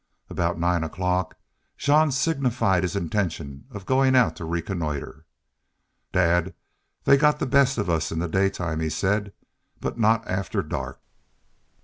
About nine o'clock Jean signified his intention of going out to reconnoitre. "Dad, they've got the best of us in the daytime," he said, "but not after dark."